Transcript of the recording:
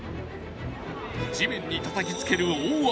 地面にたたきつける大雨。